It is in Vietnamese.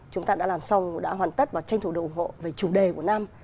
chúng ta đã làm xong đã hoàn tất và tranh thủ được ủng hộ về chủ đề của năm